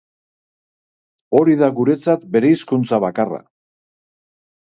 Ori da guretzat bereizkuntza bakarra.